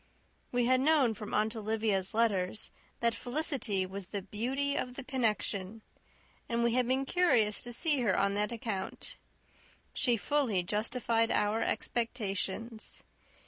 We had known from Aunt Olivia's letters, that Felicity was the beauty of the connection, and we had been curious to see her on that account. She fully justified our expectations.